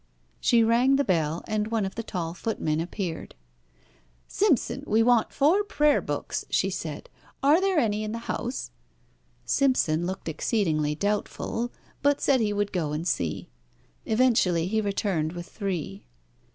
She rang the bell, and one of the tall footmen appeared. "Simpson, we want four prayer books," she said. "Are there any in the house?" Simpson looked exceedingly doubtful, but said he would go and see. Eventually he returned with three.